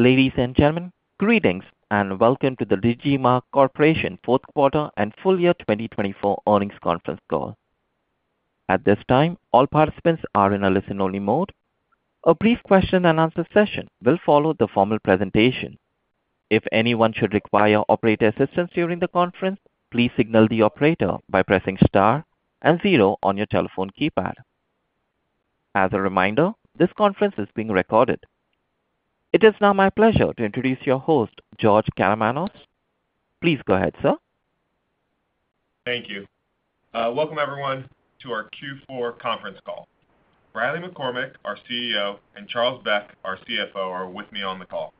Ladies and gentlemen, greetings and welcome to the Digimarc Corporation fourth quarter and full year 2024 earnings conference call. At this time, all participants are in a listen-only mode. A brief question-and-answer session will follow the formal presentation. If anyone should require operator assistance during the conference, please signal the operator by pressing star and zero on your telephone keypad. As a reminder, this conference is being recorded. It is now my pleasure to introduce your host, George Karamanos. Please go ahead, sir. Thank you. Welcome, everyone, to our Q4 conference call. Riley McCormack, our CEO, and Charles Beck, our CFO, are with me on the call.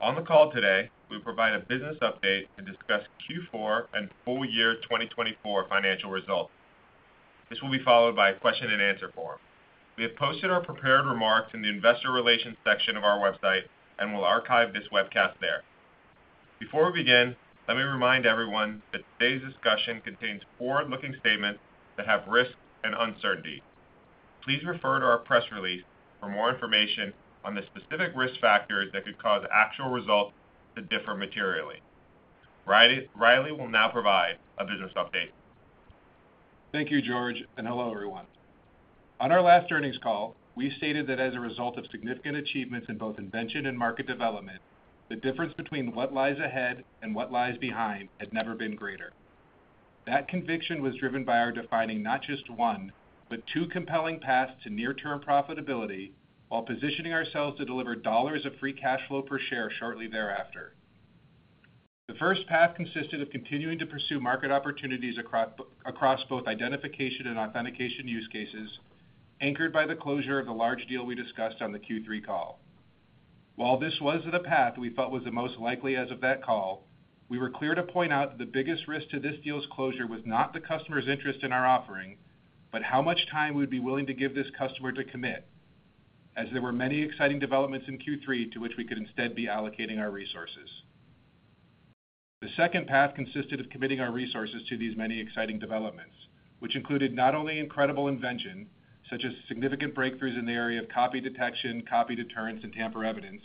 On the call today, we provide a business update to discuss Q4 and full year 2024 financial results. This will be followed by a question-and-answer forum. We have posted our prepared remarks in the Investor Relations section of our website and will archive this webcast there. Before we begin, let me remind everyone that today's discussion contains forward-looking statements that have risks and uncertainties. Please refer to our press release for more information on the specific risk factors that could cause actual results to differ materially. Riley will now provide a business update. Thank you, George, and hello, everyone. On our last earnings call, we stated that as a result of significant achievements in both invention and market development, the difference between what lies ahead and what lies behind had never been greater. That conviction was driven by our defining not just one, but two compelling paths to near-term profitability while positioning ourselves to deliver dollars of free cash flow per share shortly thereafter. The first path consisted of continuing to pursue market opportunities across both identification and authentication use cases, anchored by the closure of the large deal we discussed on the Q3 call. While this was the path we felt was the most likely as of that call, we were clear to point out that the biggest risk to this deal's closure was not the customer's interest in our offering, but how much time we would be willing to give this customer to commit, as there were many exciting developments in Q3 to which we could instead be allocating our resources. The second path consisted of committing our resources to these many exciting developments, which included not only incredible invention, such as significant breakthroughs in the area of copy detection, copy deterrence, and tamper evidence,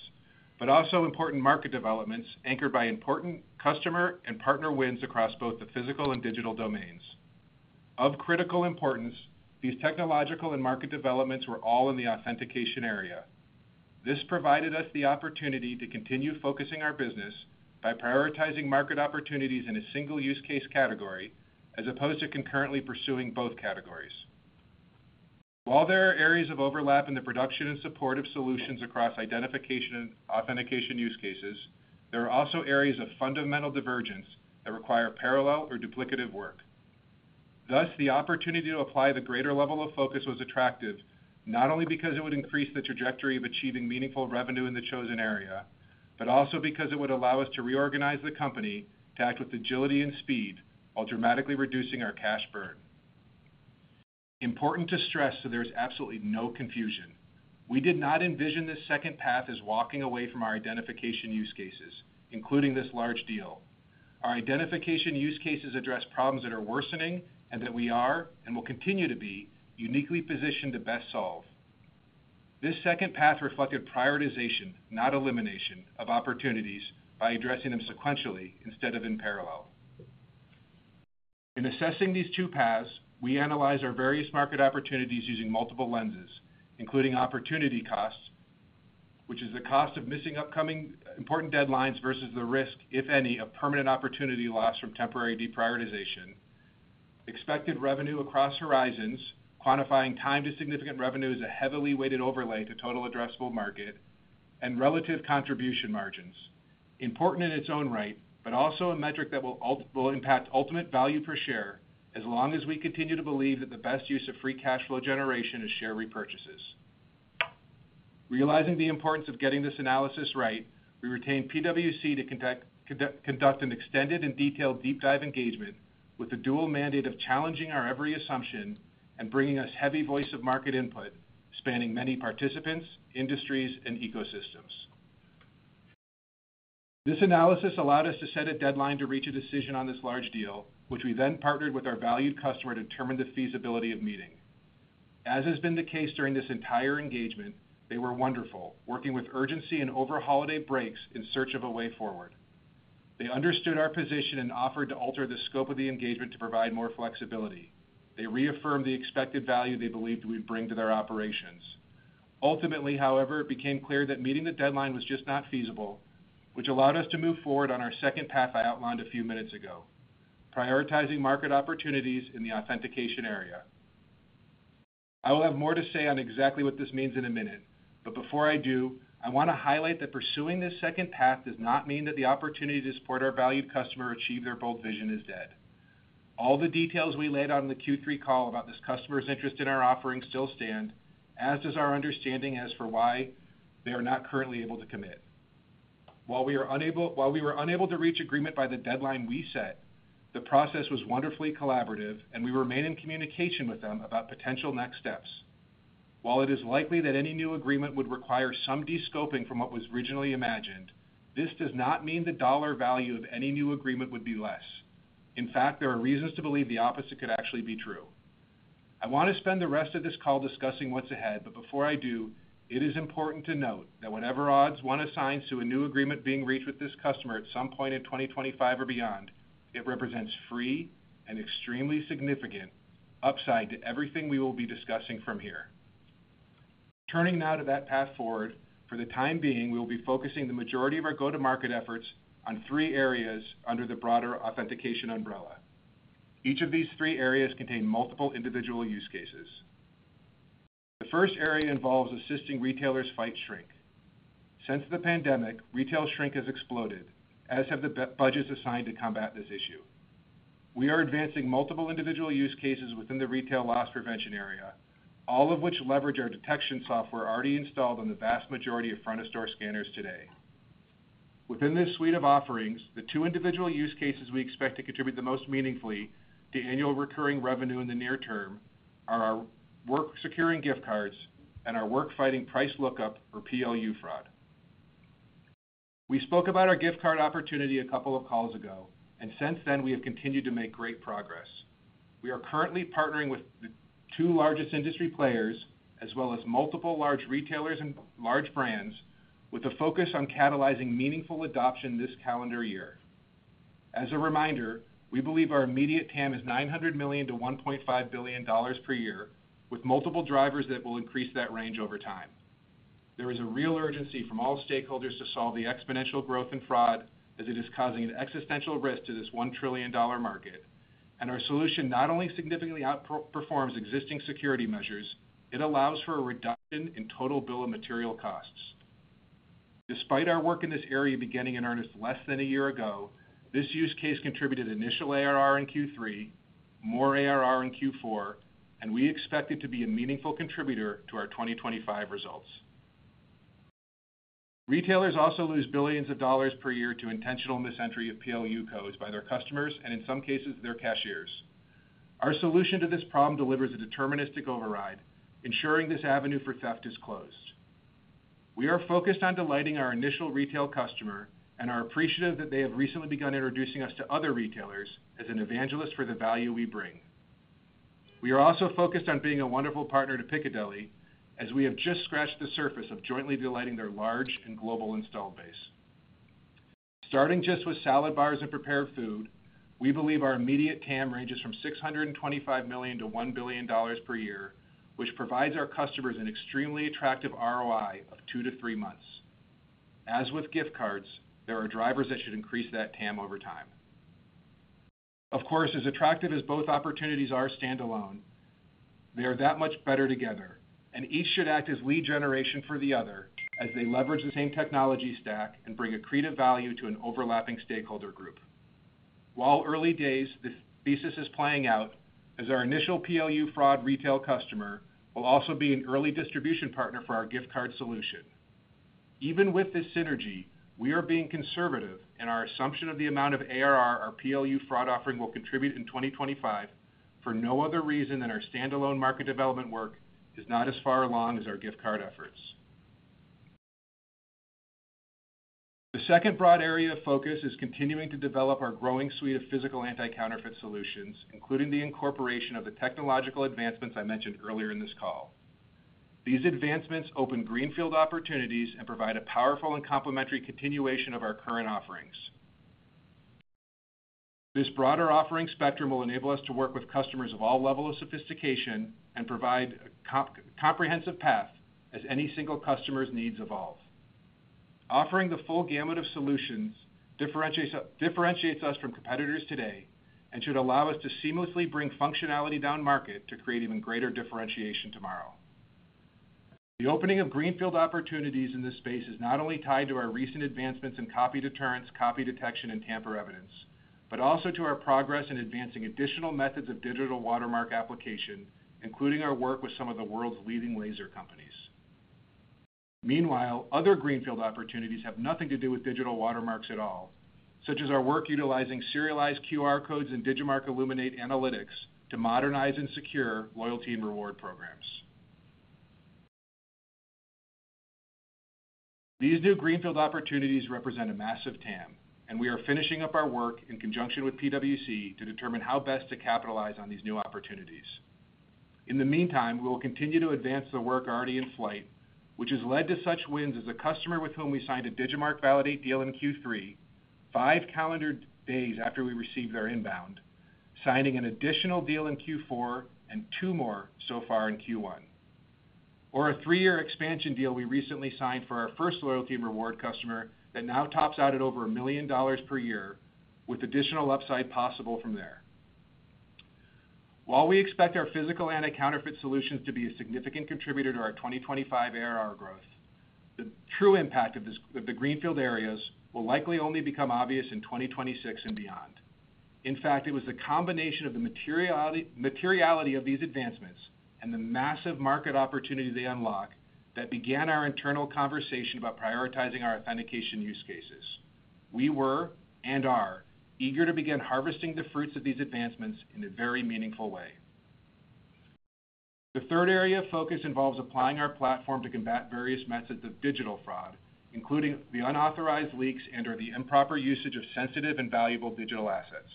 but also important market developments anchored by important customer and partner wins across both the physical and digital domains. Of critical importance, these technological and market developments were all in the authentication area. This provided us the opportunity to continue focusing our business by prioritizing market opportunities in a single-use case category as opposed to concurrently pursuing both categories. While there are areas of overlap in the production and support of solutions across identification and authentication use cases, there are also areas of fundamental divergence that require parallel or duplicative work. Thus, the opportunity to apply the greater level of focus was attractive, not only because it would increase the trajectory of achieving meaningful revenue in the chosen area, but also because it would allow us to reorganize the company to act with agility and speed while dramatically reducing our cash burn. Important to stress so there is absolutely no confusion, we did not envision this second path as walking away from our identification use cases, including this large deal. Our identification use cases address problems that are worsening and that we are, and will continue to be, uniquely positioned to best solve. This second path reflected prioritization, not elimination, of opportunities by addressing them sequentially instead of in parallel. In assessing these two paths, we analyzed our various market opportunities using multiple lenses, including opportunity costs, which is the cost of missing important deadlines versus the risk, if any, of permanent opportunity loss from temporary deprioritization, expected revenue across horizons, quantifying time to significant revenue as a heavily weighted overlay to total addressable market, and relative contribution margins. Important in its own right, but also a metric that will impact ultimate value per share as long as we continue to believe that the best use of free cash flow generation is share repurchases. Realizing the importance of getting this analysis right, we retained PwC to conduct an extended and detailed deep-dive engagement with the dual mandate of challenging our every assumption and bringing us heavy voice of market input spanning many participants, industries, and ecosystems. This analysis allowed us to set a deadline to reach a decision on this large deal, which we then partnered with our valued customer to determine the feasibility of meeting. As has been the case during this entire engagement, they were wonderful, working with urgency and over holiday breaks in search of a way forward. They understood our position and offered to alter the scope of the engagement to provide more flexibility. They reaffirmed the expected value they believed we'd bring to their operations. Ultimately, however, it became clear that meeting the deadline was just not feasible, which allowed us to move forward on our second path I outlined a few minutes ago, prioritizing market opportunities in the authentication area. I will have more to say on exactly what this means in a minute. Before I do, I want to highlight that pursuing this second path does not mean that the opportunity to support our valued customer achieve their bold vision is dead. All the details we laid out on the Q3 call about this customer's interest in our offering still stand, as does our understanding as for why they are not currently able to commit. While we were unable to reach agreement by the deadline we set, the process was wonderfully collaborative, and we remain in communication with them about potential next steps. While it is likely that any new agreement would require some descoping from what was originally imagined, this does not mean the dollar value of any new agreement would be less. In fact, there are reasons to believe the opposite could actually be true. I want to spend the rest of this call discussing what's ahead, but before I do, it is important to note that whatever odds one assigns to a new agreement being reached with this customer at some point in 2025 or beyond, it represents free and extremely significant upside to everything we will be discussing from here. Turning now to that path forward, for the time being, we will be focusing the majority of our go-to-market efforts on three areas under the broader authentication umbrella. Each of these three areas contains multiple individual use cases. The first area involves assisting retailers fight shrink. Since the pandemic, retail shrink has exploded, as have the budgets assigned to combat this issue. We are advancing multiple individual use cases within the retail loss prevention area, all of which leverage our detection software already installed on the vast majority of front-of-store scanners today. Within this suite of offerings, the two individual use cases we expect to contribute the most meaningfully to annual recurring revenue in the near term are our work securing gift cards and our work fighting price look-up or PLU fraud. We spoke about our gift card opportunity a couple of calls ago, and since then, we have continued to make great progress. We are currently partnering with the two largest industry players as well as multiple large retailers and large brands, with a focus on catalyzing meaningful adoption this calendar year. As a reminder, we believe our immediate TAM is $900 million-$1.5 billion per year, with multiple drivers that will increase that range over time. There is a real urgency from all stakeholders to solve the exponential growth in fraud as it is causing an existential risk to this $1 trillion market, and our solution not only significantly outperforms existing security measures, it allows for a reduction in total bill of material costs. Despite our work in this area beginning in earnest less than a year ago, this use case contributed initial ARR in Q3, more ARR in Q4, and we expect it to be a meaningful contributor to our 2025 results. Retailers also lose billions of dollars per year to intentional misentry of PLU codes by their customers and, in some cases, their cashiers. Our solution to this problem delivers a deterministic override, ensuring this avenue for theft is closed. We are focused on delighting our initial retail customer and are appreciative that they have recently begun introducing us to other retailers as an evangelist for the value we bring. We are also focused on being a wonderful partner to Piccadilly, as we have just scratched the surface of jointly delighting their large and global installed base. Starting just with salad bars and prepared food, we believe our immediate TAM ranges from $625 million-$1 billion per year, which provides our customers an extremely attractive ROI of two to three months. As with gift cards, there are drivers that should increase that TAM over time. Of course, as attractive as both opportunities are standalone, they are that much better together, and each should act as lead generation for the other as they leverage the same technology stack and bring accretive value to an overlapping stakeholder group. While early days, this thesis is playing out, as our initial PLU fraud retail customer will also be an early distribution partner for our gift card solution. Even with this synergy, we are being conservative in our assumption of the amount of ARR our PLU fraud offering will contribute in 2025 for no other reason than our standalone market development work is not as far along as our gift card efforts. The second broad area of focus is continuing to develop our growing suite of physical anti-counterfeit solutions, including the incorporation of the technological advancements I mentioned earlier in this call. These advancements open greenfield opportunities and provide a powerful and complementary continuation of our current offerings. This broader offering spectrum will enable us to work with customers of all levels of sophistication and provide a comprehensive path as any single customer's needs evolve. Offering the full gamut of solutions differentiates us from competitors today and should allow us to seamlessly bring functionality down market to create even greater differentiation tomorrow. The opening of greenfield opportunities in this space is not only tied to our recent advancements in copy deterrence, copy detection, and tamper evidence, but also to our progress in advancing additional methods of digital watermark application, including our work with some of the world's leading laser companies. Meanwhile, other greenfield opportunities have nothing to do with digital watermarks at all, such as our work utilizing serialized QR codes in Digimarc Illuminate analytics to modernize and secure loyalty and reward programs. These new greenfield opportunities represent a massive TAM, and we are finishing up our work in conjunction with PwC to determine how best to capitalize on these new opportunities. In the meantime, we will continue to advance the work already in flight, which has led to such wins as a customer with whom we signed a Digimarc Validate deal in Q3, five calendar days after we received their inbound, signing an additional deal in Q4 and two more so far in Q1, or a three-year expansion deal we recently signed for our first loyalty and reward customer that now tops out at over $1 million per year, with additional upside possible from there. While we expect our physical anti-counterfeit solutions to be a significant contributor to our 2025 ARR growth, the true impact of the greenfield areas will likely only become obvious in 2026 and beyond. In fact, it was the combination of the materiality of these advancements and the massive market opportunity they unlock that began our internal conversation about prioritizing our authentication use cases. We were, and are, eager to begin harvesting the fruits of these advancements in a very meaningful way. The third area of focus involves applying our platform to combat various methods of digital fraud, including the unauthorized leaks and/or the improper usage of sensitive and valuable digital assets.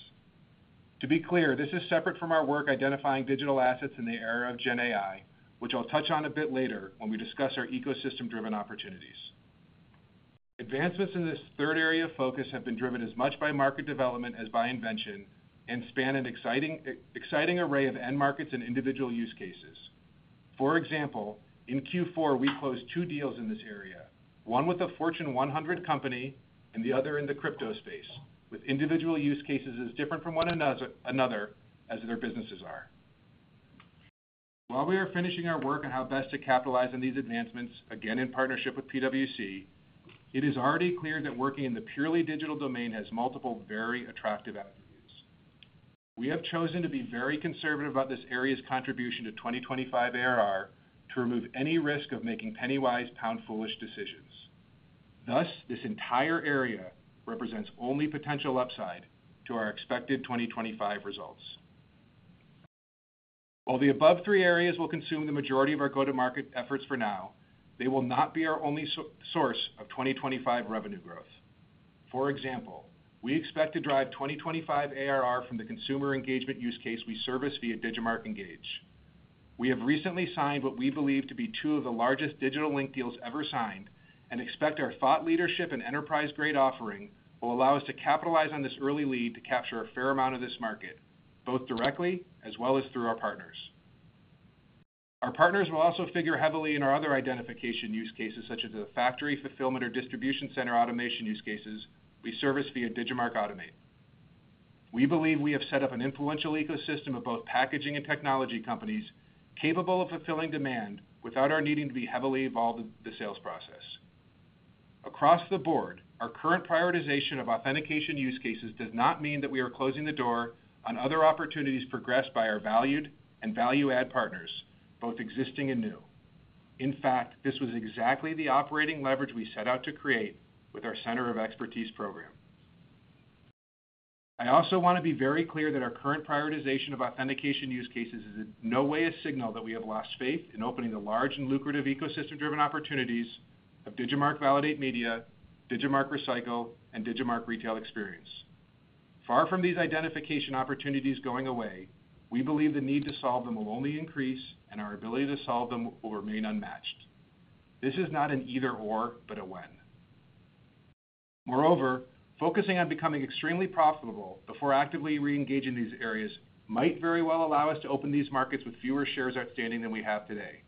To be clear, this is separate from our work identifying digital assets in the era of GenAI, which I'll touch on a bit later when we discuss our ecosystem-driven opportunities. Advancements in this third area of focus have been driven as much by market development as by invention and span an exciting array of end markets and individual use cases. For example, in Q4, we closed two deals in this area, one with a Fortune 100 company and the other in the crypto space, with individual use cases as different from one another as their businesses are. While we are finishing our work on how best to capitalize on these advancements, again in partnership with PwC, it is already clear that working in the purely digital domain has multiple, very attractive attributes. We have chosen to be very conservative about this area's contribution to 2025 ARR to remove any risk of making penny-wise, pound-foolish decisions. Thus, this entire area represents only potential upside to our expected 2025 results. While the above three areas will consume the majority of our go-to-market efforts for now, they will not be our only source of 2025 revenue growth. For example, we expect to drive 2025 ARR from the consumer engagement use case we service via Digimarc Engage. We have recently signed what we believe to be two of the largest digital link deals ever signed and expect our thought leadership and enterprise-grade offering will allow us to capitalize on this early lead to capture a fair amount of this market, both directly as well as through our partners. Our partners will also figure heavily in our other identification use cases, such as the factory fulfillment or distribution center automation use cases we service via Digimarc Automate. We believe we have set up an influential ecosystem of both packaging and technology companies capable of fulfilling demand without our needing to be heavily involved in the sales process. Across the board, our current prioritization of authentication use cases does not mean that we are closing the door on other opportunities progressed by our valued and value-add partners, both existing and new. In fact, this was exactly the operating leverage we set out to create with our center of expertise program. I also want to be very clear that our current prioritization of authentication use cases is in no way a signal that we have lost faith in opening the large and lucrative ecosystem-driven opportunities of Digimarc Validate Media, Digimarc Recycle, and Digimarc Retail Experience. Far from these identification opportunities going away, we believe the need to solve them will only increase, and our ability to solve them will remain unmatched. This is not an either/or, but a when. Moreover, focusing on becoming extremely profitable before actively re-engaging these areas might very well allow us to open these markets with fewer shares outstanding than we have today,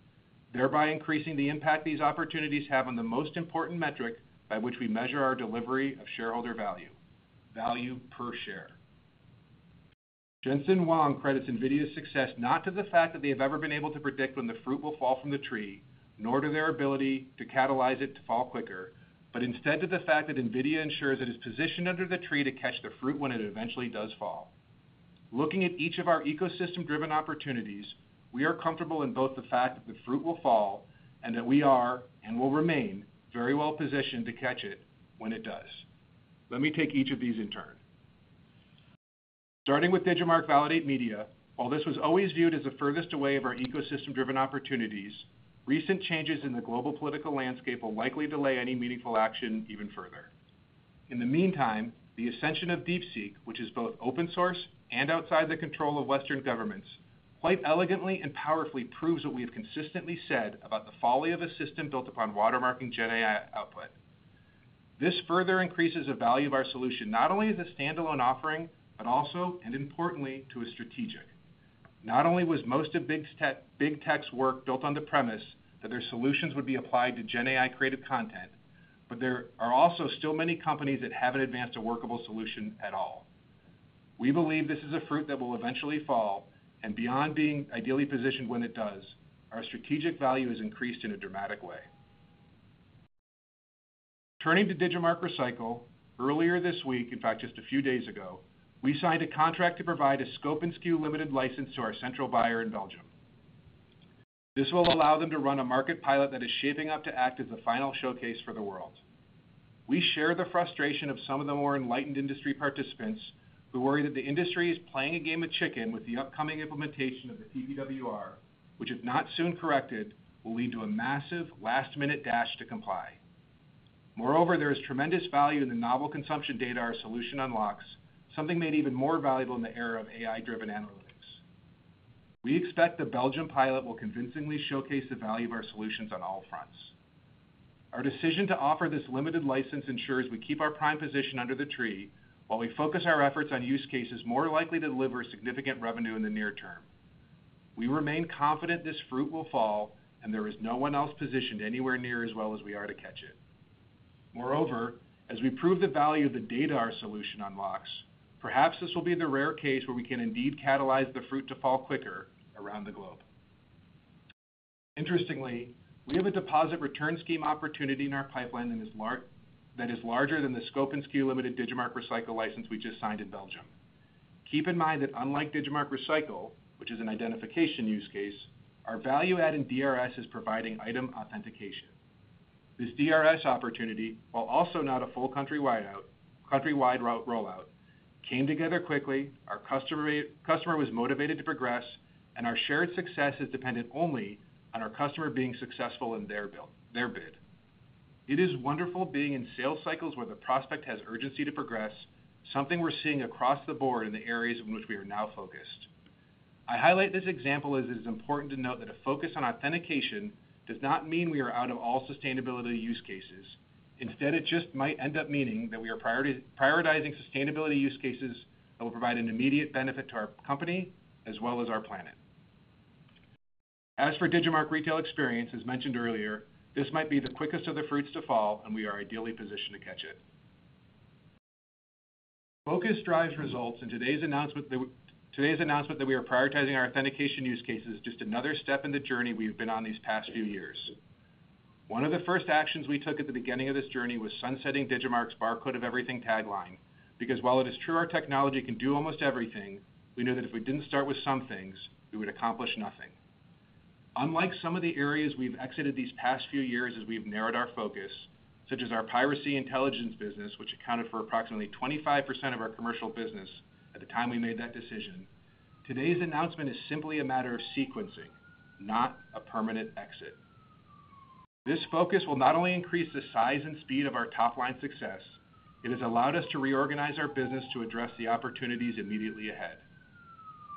thereby increasing the impact these opportunities have on the most important metric by which we measure our delivery of shareholder value: value per share. Jensen Huang credits NVIDIA's success not to the fact that they have ever been able to predict when the fruit will fall from the tree, nor to their ability to catalyze it to fall quicker, but instead to the fact that NVIDIA ensures it is positioned under the tree to catch the fruit when it eventually does fall. Looking at each of our ecosystem-driven opportunities, we are comfortable in both the fact that the fruit will fall and that we are and will remain very well positioned to catch it when it does. Let me take each of these in turn. Starting with Digimarc Validate Media, while this was always viewed as the furthest away of our ecosystem-driven opportunities, recent changes in the global political landscape will likely delay any meaningful action even further. In the meantime, the ascension of DeepSeek, which is both open-source and outside the control of Western governments, quite elegantly and powerfully proves what we have consistently said about the folly of a system built upon watermarking GenAI output. This further increases the value of our solution not only as a standalone offering, but also, and importantly, to a strategic. Not only was most of Big Tech's work built on the premise that their solutions would be applied to GenAI-created content, but there are also still many companies that have not advanced a workable solution at all. We believe this is a fruit that will eventually fall, and beyond being ideally positioned when it does, our strategic value has increased in a dramatic way. Turning to Digimarc Recycle, earlier this week, in fact, just a few days ago, we signed a contract to provide a scope-and-SKU-limited license to our central buyer in Belgium. This will allow them to run a market pilot that is shaping up to act as the final showcase for the world. We share the frustration of some of the more enlightened industry participants who worry that the industry is playing a game of chicken with the upcoming implementation of the PPWR, which, if not soon corrected, will lead to a massive last-minute dash to comply. Moreover, there is tremendous value in the novel consumption data our solution unlocks, something made even more valuable in the era of AI-driven analytics. We expect the Belgium pilot will convincingly showcase the value of our solutions on all fronts. Our decision to offer this limited license ensures we keep our prime position under the tree while we focus our efforts on use cases more likely to deliver significant revenue in the near term. We remain confident this fruit will fall, and there is no one else positioned anywhere near as well as we are to catch it. Moreover, as we prove the value of the data our solution unlocks, perhaps this will be the rare case where we can indeed catalyze the fruit to fall quicker around the globe. Interestingly, we have a Deposit Return Scheme opportunity in our pipeline that is larger than the scope-and-SKU-limited Digimarc Recycle license we just signed in Belgium. Keep in mind that, unlike Digimarc Recycle, which is an identification use case, our value-add in DRS is providing item authentication. This DRS opportunity, while also not a full countrywide rollout, came together quickly, our customer was motivated to progress, and our shared success is dependent only on our customer being successful in their bid. It is wonderful being in sales cycles where the prospect has urgency to progress, something we're seeing across the board in the areas in which we are now focused. I highlight this example as it is important to note that a focus on authentication does not mean we are out of all sustainability use cases. Instead, it just might end up meaning that we are prioritizing sustainability use cases that will provide an immediate benefit to our company as well as our planet. As for Digimarc Retail Experience, as mentioned earlier, this might be the quickest of the fruits to fall, and we are ideally positioned to catch it. Focus drives results in today's announcement that we are prioritizing our authentication use cases is just another step in the journey we've been on these past few years. One of the first actions we took at the beginning of this journey was sunsetting Digimarc's "The Barcode of Everything" tagline, because while it is true our technology can do almost everything, we knew that if we did not start with some things, we would accomplish nothing. Unlike some of the areas we have exited these past few years as we have narrowed our focus, such as our piracy intelligence business, which accounted for approximately 25% of our commercial business at the time we made that decision, today's announcement is simply a matter of sequencing, not a permanent exit. This focus will not only increase the size and speed of our top-line success, it has allowed us to reorganize our business to address the opportunities immediately ahead.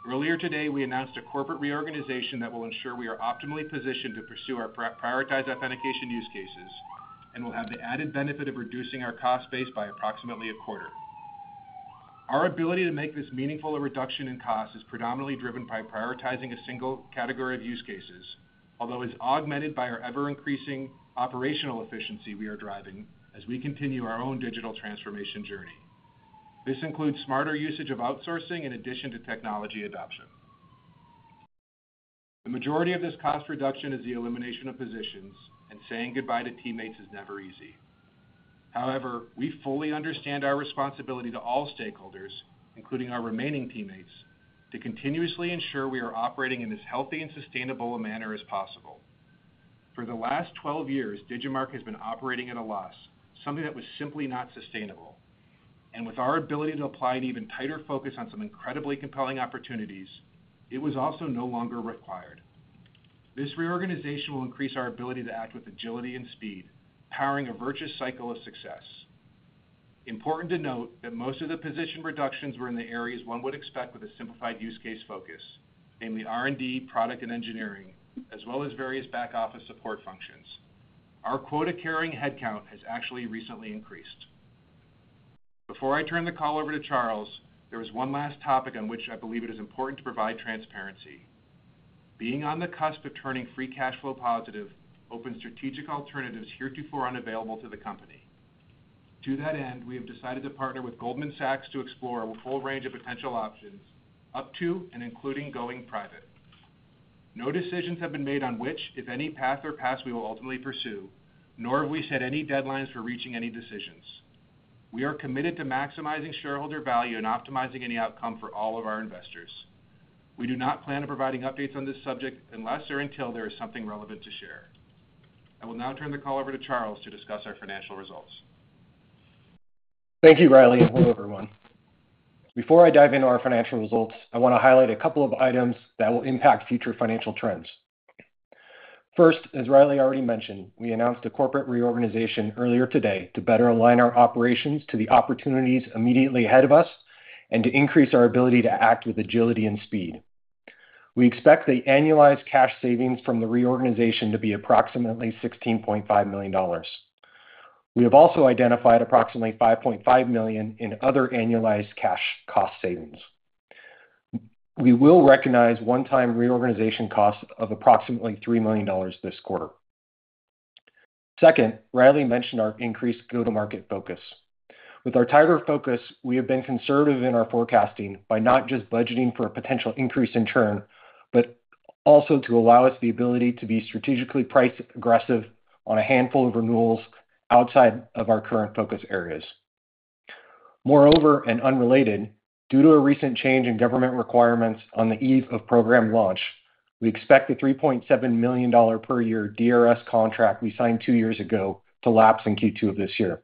Earlier today, we announced a corporate reorganization that will ensure we are optimally positioned to pursue our prioritized authentication use cases and will have the added benefit of reducing our cost base by approximately a quarter. Our ability to make this meaningful reduction in cost is predominantly driven by prioritizing a single category of use cases, although it is augmented by our ever-increasing operational efficiency we are driving as we continue our own digital transformation journey. This includes smarter usage of outsourcing in addition to technology adoption. The majority of this cost reduction is the elimination of positions, and saying goodbye to teammates is never easy. However, we fully understand our responsibility to all stakeholders, including our remaining teammates, to continuously ensure we are operating in as healthy and sustainable a manner as possible. For the last 12 years, Digimarc has been operating at a loss, something that was simply not sustainable. With our ability to apply an even tighter focus on some incredibly compelling opportunities, it was also no longer required. This reorganization will increase our ability to act with agility and speed, powering a virtuous cycle of success. Important to note that most of the position reductions were in the areas one would expect with a simplified use case focus, namely R&D, product, and engineering, as well as various back-office support functions. Our quota-carrying headcount has actually recently increased. Before I turn the call over to Charles, there is one last topic on which I believe it is important to provide transparency. Being on the cusp of turning free cash flow positive opens strategic alternatives heretofore unavailable to the company. To that end, we have decided to partner with Goldman Sachs to explore a full range of potential options, up to and including going private. No decisions have been made on which, if any, path or paths we will ultimately pursue, nor have we set any deadlines for reaching any decisions. We are committed to maximizing shareholder value and optimizing any outcome for all of our investors. We do not plan on providing updates on this subject unless or until there is something relevant to share. I will now turn the call over to Charles to discuss our financial results. Thank you, Riley, and hello, everyone. Before I dive into our financial results, I want to highlight a couple of items that will impact future financial trends. First, as Riley already mentioned, we announced a corporate reorganization earlier today to better align our operations to the opportunities immediately ahead of us and to increase our ability to act with agility and speed. We expect the annualized cash savings from the reorganization to be approximately $16.5 million. We have also identified approximately $5.5 million in other annualized cash cost savings. We will recognize one-time reorganization costs of approximately $3 million this quarter. Second, Riley mentioned our increased go-to-market focus. With our tighter focus, we have been conservative in our forecasting by not just budgeting for a potential increase in churn, but also to allow us the ability to be strategically price-aggressive on a handful of renewals outside of our current focus areas. Moreover, and unrelated, due to a recent change in government requirements on the eve of program launch, we expect the $3.7 million per year DRS contract we signed two years ago to lapse in Q2 of this year.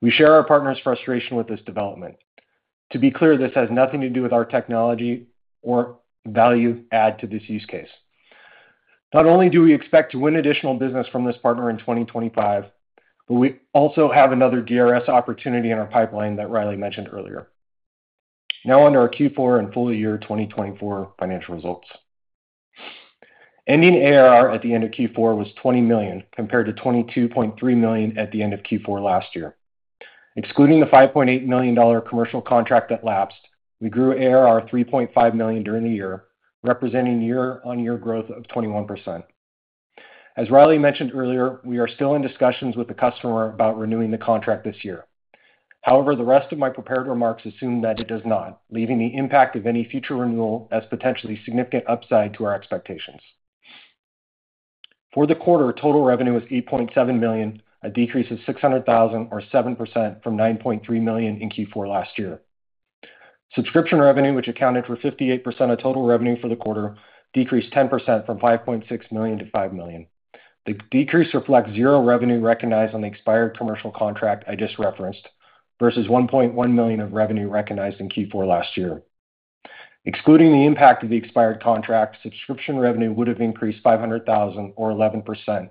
We share our partner's frustration with this development. To be clear, this has nothing to do with our technology or value-add to this use case. Not only do we expect to win additional business from this partner in 2025, but we also have another DRS opportunity in our pipeline that Riley mentioned earlier. Now onto our Q4 and full-year 2024 financial results. Ending ARR at the end of Q4 was $20 million compared to $22.3 million at the end of Q4 last year. Excluding the $5.8 million commercial contract that lapsed, we grew ARR $3.5 million during the year, representing year-on-year growth of 21%. As Riley mentioned earlier, we are still in discussions with the customer about renewing the contract this year. However, the rest of my prepared remarks assume that it does not, leaving the impact of any future renewal as potentially significant upside to our expectations. For the quarter, total revenue was $8.7 million, a decrease of $600,000, or 7% from $9.3 million in Q4 last year. Subscription revenue, which accounted for 58% of total revenue for the quarter, decreased 10% from $5.6 million to $5 million. The decrease reflects zero revenue recognized on the expired commercial contract I just referenced versus $1.1 million of revenue recognized in Q4 last year. Excluding the impact of the expired contract, subscription revenue would have increased $500,000, or 11%,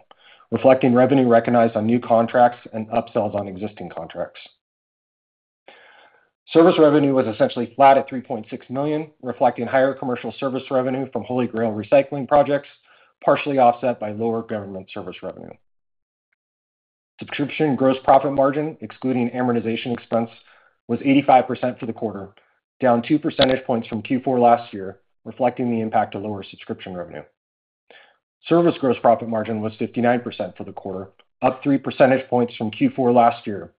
reflecting revenue recognized on new contracts and upsells on existing contracts. Service revenue was essentially flat at $3.6 million, reflecting higher commercial service revenue from HolyGrail 2.0 recycling projects, partially offset by lower government service revenue. Subscription gross profit margin, excluding amortization expense, was 85% for the quarter, down 2 percentage points from Q4 last year, reflecting the impact of lower subscription revenue. Service gross profit margin was 59% for the quarter, up 3 percentage points from Q4 last year,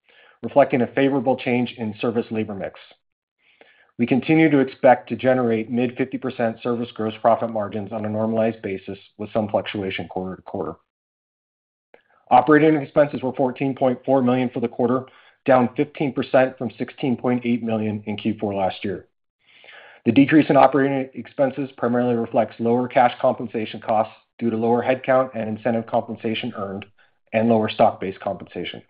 reflecting a favorable change in service labor mix. We continue to expect to generate mid-50% service gross profit margins on a normalized basis with some fluctuation quarter to quarter. Operating expenses were $14.4 million for the quarter, down 15% from $16.8 million in Q4 last year. The decrease in operating expenses primarily reflects lower cash compensation costs due to lower headcount and incentive compensation earned and lower stock-based compensation.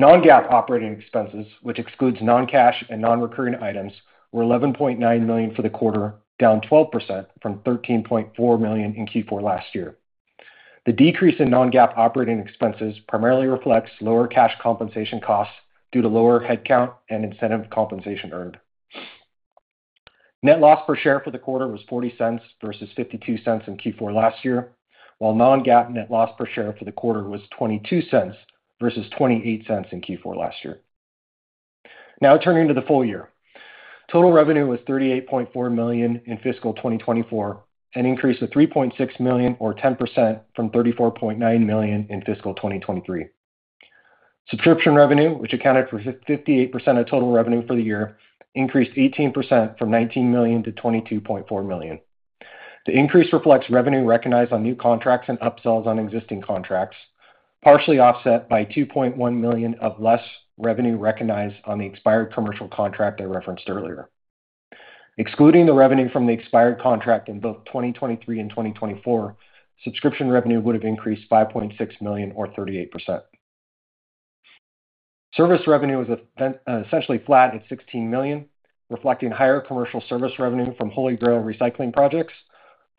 Non-GAAP operating expenses, which excludes non-cash and non-recurring items, were $11.9 million for the quarter, down 12% from $13.4 million in Q4 last year. The decrease in non-GAAP operating expenses primarily reflects lower cash compensation costs due to lower headcount and incentive compensation earned. Net loss per share for the quarter was $0.40 versus $0.52 in Q4 last year, while non-GAAP net loss per share for the quarter was $0.22 versus $0.28 in Q4 last year. Now turning to the full year. Total revenue was $38.4 million in fiscal 2024, an increase of $3.6 million, or 10% from $34.9 million in fiscal 2023. Subscription revenue, which accounted for 58% of total revenue for the year, increased 18% from $19 million to $22.4 million. The increase reflects revenue recognized on new contracts and upsells on existing contracts, partially offset by $2.1 million of less revenue recognized on the expired commercial contract I referenced earlier. Excluding the revenue from the expired contract in both 2023 and 2024, subscription revenue would have increased $5.6 million, or 38%. Service revenue was essentially flat at $16 million, reflecting higher commercial service revenue from HolyGrail 2.0 recycling projects,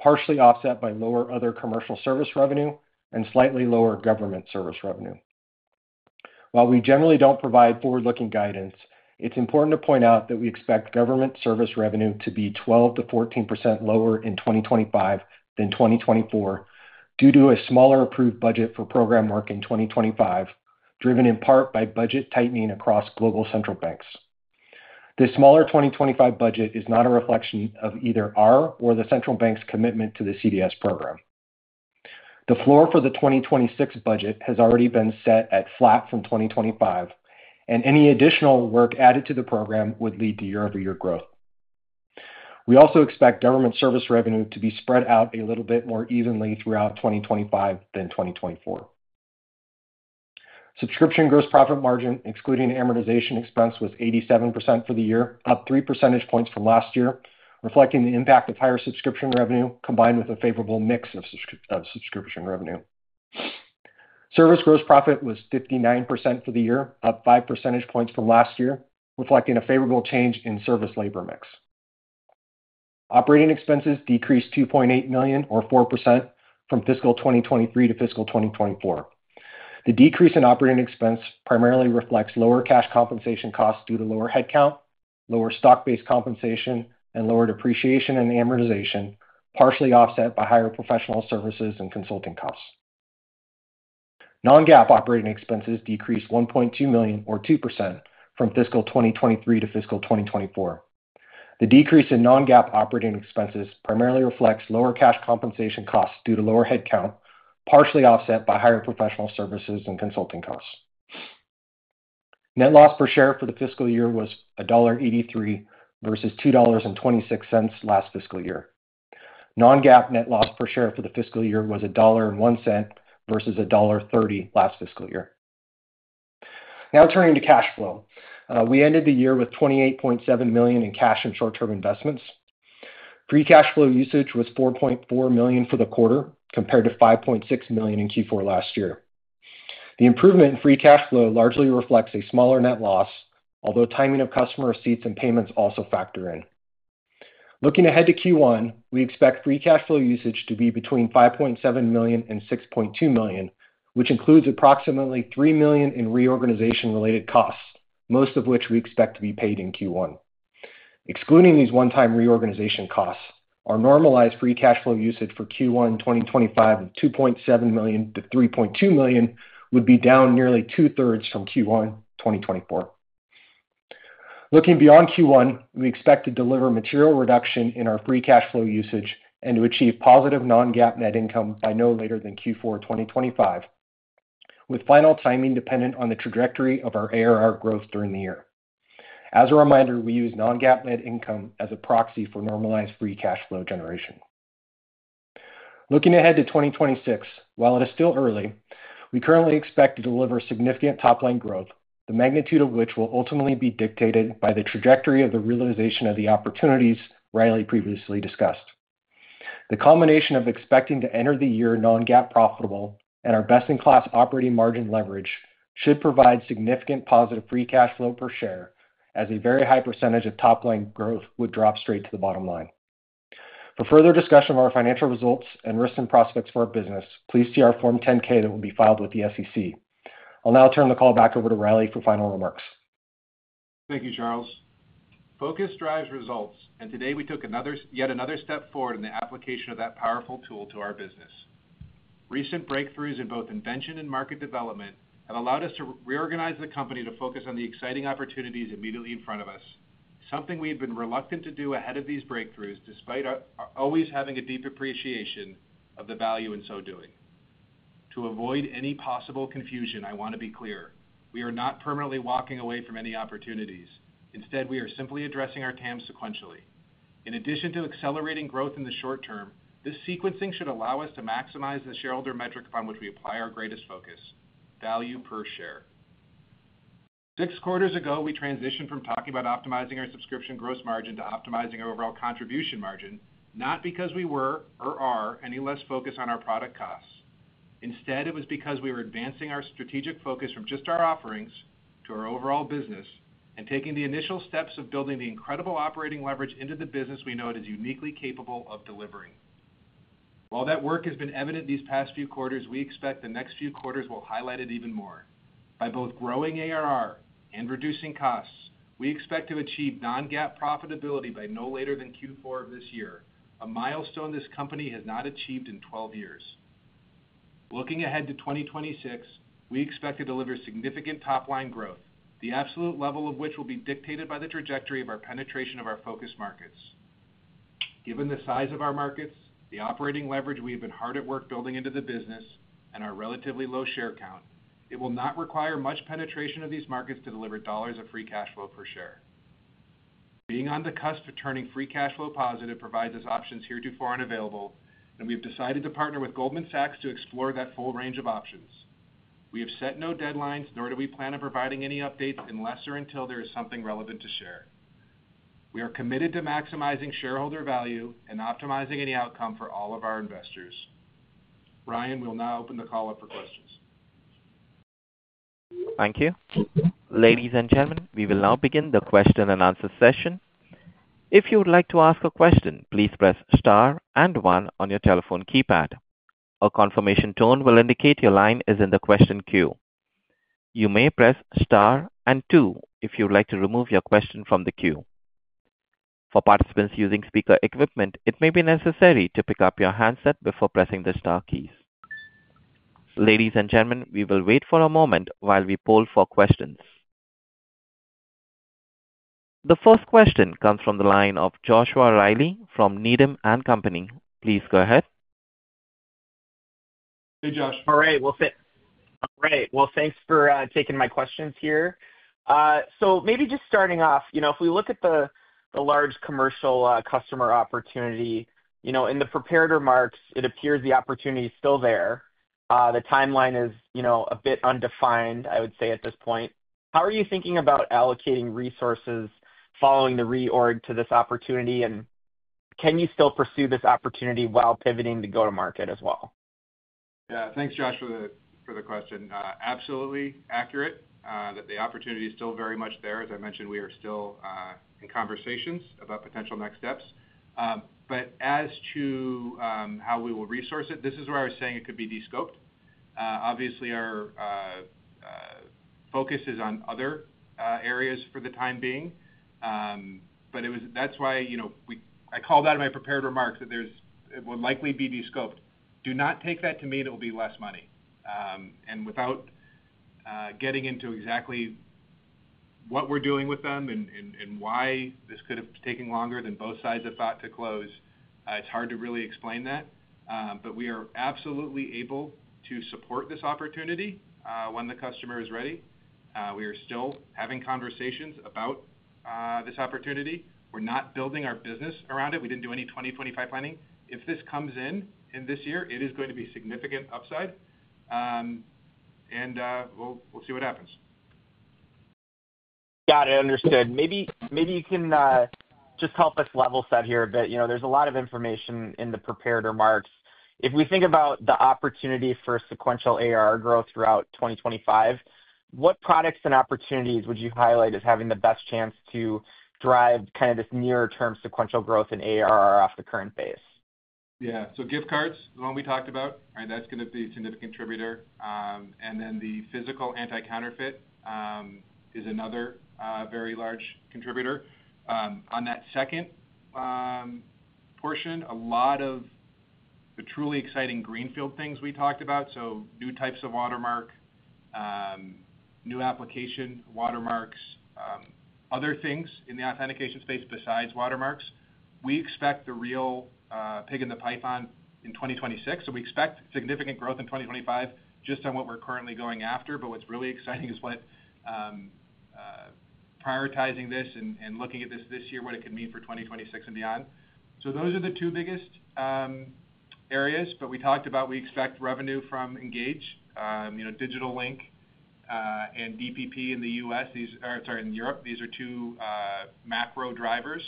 partially offset by lower other commercial service revenue and slightly lower government service revenue. While we generally do not provide forward-looking guidance, it is important to point out that we expect government service revenue to be 12%-14% lower in 2025 than 2024 due to a smaller approved budget for program work in 2025, driven in part by budget tightening across global central banks. This smaller 2025 budget is not a reflection of either our or the central bank's commitment to the CDS program. The floor for the 2026 budget has already been set at flat from 2025, and any additional work added to the program would lead to year-over-year growth. We also expect government service revenue to be spread out a little bit more evenly throughout 2025 than 2024. Subscription gross profit margin, excluding amortization expense, was 87% for the year, up 3 percentage points from last year, reflecting the impact of higher subscription revenue combined with a favorable mix of subscription revenue. Service gross profit was 59% for the year, up 5 percentage points from last year, reflecting a favorable change in service labor mix. Operating expenses decreased $2.8 million, or 4%, from fiscal 2023 to fiscal 2024. The decrease in operating expense primarily reflects lower cash compensation costs due to lower headcount, lower stock-based compensation, and lower depreciation and amortization, partially offset by higher professional services and consulting costs. Non-GAAP operating expenses decreased $1.2 million, or 2%, from fiscal 2023 to fiscal 2024. The decrease in non-GAAP operating expenses primarily reflects lower cash compensation costs due to lower headcount, partially offset by higher professional services and consulting costs. Net loss per share for the fiscal year was $1.83 versus $2.26 last fiscal year. Non-GAAP net loss per share for the fiscal year was $1.01 versus $1.30 last fiscal year. Now turning to cash flow. We ended the year with $28.7 million in cash and short-term investments. Free cash flow usage was $4.4 million for the quarter, compared to $5.6 million in Q4 last year. The improvement in free cash flow largely reflects a smaller net loss, although timing of customer receipts and payments also factor in. Looking ahead to Q1, we expect free cash flow usage to be between $5.7 million and $6.2 million, which includes approximately $3 million in reorganization-related costs, most of which we expect to be paid in Q1. Excluding these one-time reorganization costs, our normalized free cash flow usage for Q1 2025 of $2.7 million-$3.2 million would be down nearly 2/3 from Q1 2024. Looking beyond Q1, we expect to deliver material reduction in our free cash flow usage and to achieve positive non-GAAP net income by no later than Q4 2025, with final timing dependent on the trajectory of our ARR growth during the year. As a reminder, we use non-GAAP net income as a proxy for normalized free cash flow generation. Looking ahead to 2026, while it is still early, we currently expect to deliver significant top-line growth, the magnitude of which will ultimately be dictated by the trajectory of the realization of the opportunities Riley previously discussed. The combination of expecting to enter the year non-GAAP profitable and our best-in-class operating margin leverage should provide significant positive free cash flow per share, as a very high percentage of top-line growth would drop straight to the bottom line. For further discussion of our financial results and risks and prospects for our business, please see our Form 10-K that will be filed with the SEC. I'll now turn the call back over to Riley for final remarks. Thank you, Charles. Focus drives results, and today we took yet another step forward in the application of that powerful tool to our business. Recent breakthroughs in both invention and market development have allowed us to reorganize the company to focus on the exciting opportunities immediately in front of us, something we had been reluctant to do ahead of these breakthroughs despite always having a deep appreciation of the value in so doing. To avoid any possible confusion, I want to be clear: we are not permanently walking away from any opportunities. Instead, we are simply addressing our TAM sequentially. In addition to accelerating growth in the short term, this sequencing should allow us to maximize the shareholder metric upon which we apply our greatest focus: value per share. Six quarters ago, we transitioned from talking about optimizing our subscription gross margin to optimizing our overall contribution margin, not because we were or are any less focused on our product costs. Instead, it was because we were advancing our strategic focus from just our offerings to our overall business and taking the initial steps of building the incredible operating leverage into the business we know it is uniquely capable of delivering. While that work has been evident these past few quarters, we expect the next few quarters will highlight it even more. By both growing ARR and reducing costs, we expect to achieve non-GAAP profitability by no later than Q4 of this year, a milestone this company has not achieved in 12 years. Looking ahead to 2026, we expect to deliver significant top-line growth, the absolute level of which will be dictated by the trajectory of our penetration of our focus markets. Given the size of our markets, the operating leverage we have been hard at work building into the business, and our relatively low share count, it will not require much penetration of these markets to deliver dollars of free cash flow per share. Being on the cusp of turning free cash flow positive provides us options heretofore unavailable, and we have decided to partner with Goldman Sachs to explore that full range of options. We have set no deadlines, nor do we plan on providing any updates unless or until there is something relevant to share. We are committed to maximizing shareholder value and optimizing any outcome for all of our investors. Ryan, we'll now open the call up for questions. Thank you. Ladies and gentlemen, we will now begin the question-and-answer session. If you would like to ask a question, please press star and one on your telephone keypad. A confirmation tone will indicate your line is in the question queue. You may press star and two if you would like to remove your question from the queue. For participants using speaker equipment, it may be necessary to pick up your handset before pressing the star keys. Ladies and gentlemen, we will wait for a moment while we poll for questions. The first question comes from the line of Joshua Reilly from Needham & Company. Please go ahead. Hey, Josh. All right. Thanks for taking my questions here. Maybe just starting off, if we look at the large commercial customer opportunity, in the prepared remarks, it appears the opportunity is still there. The timeline is a bit undefined, I would say, at this point. How are you thinking about allocating resources following the reorg to this opportunity, and can you still pursue this opportunity while pivoting to go-to-market as well? Yeah. Thanks, Josh, for the question. Absolutely accurate that the opportunity is still very much there. As I mentioned, we are still in conversations about potential next steps. As to how we will resource it, this is where I was saying it could be descoped. Obviously, our focus is on other areas for the time being. That is why I called out in my prepared remarks that it will likely be descoped. Do not take that to mean it will be less money. Without getting into exactly what we're doing with them and why this could have taken longer than both sides have thought to close, it's hard to really explain that. We are absolutely able to support this opportunity when the customer is ready. We are still having conversations about this opportunity. We're not building our business around it. We didn't do any 2025 planning. If this comes in this year, it is going to be significant upside. We'll see what happens. Got it. Understood. Maybe you can just help us level set here a bit. There's a lot of information in the prepared remarks. If we think about the opportunity for sequential ARR growth throughout 2025, what products and opportunities would you highlight as having the best chance to drive kind of this near-term sequential growth in ARR off the current base? Yeah. Gift cards, the one we talked about, that's going to be a significant contributor. The physical anti-counterfeit is another very large contributor. On that second portion, a lot of the truly exciting greenfield things we talked about, new types of watermark, new application watermarks, other things in the authentication space besides watermarks. We expect the real pig in the python in 2026. We expect significant growth in 2025 just on what we're currently going after. What is really exciting is prioritizing this and looking at this this year, what it could mean for 2026 and beyond. Those are the two biggest areas. We talked about we expect revenue from Engage, Digital Link, and DPP in the U.S., or sorry, in Europe. These are two macro drivers.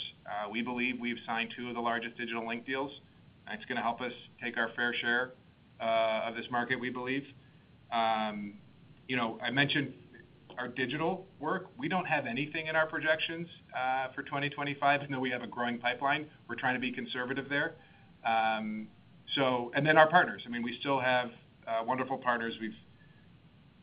We believe we've signed two of the largest digital link deals. It's going to help us take our fair share of this market, we believe. I mentioned our digital work. We do not have anything in our projections for 2025, even though we have a growing pipeline. We are trying to be conservative there. I mean, we still have wonderful partners. We have